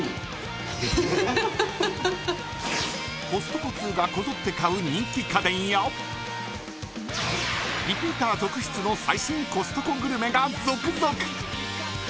コストコ通がこぞって買う人気家電やリピーター続出の最新コストコグルメが続々。